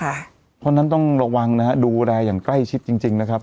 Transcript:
เพราะฉะนั้นต้องระวังนะฮะดูแลอย่างใกล้ชิดจริงนะครับ